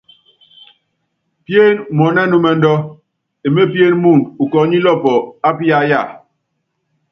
Piéné muɔ́nɔ́wɛnúmɛndú, emépíéne muundɔ ukɔɔ́nílɔpɔ ápiyáya.